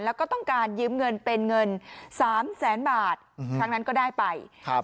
แล้วก็ต้องการยืมเงินเป็นเงินสามแสนบาทอืมครั้งนั้นก็ได้ไปครับ